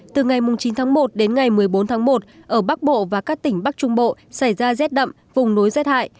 từ ngày chín tháng một đến ngày một mươi bốn tháng một ở bắc bộ và các tỉnh bắc trung bộ xảy ra rét đậm vùng núi rét hại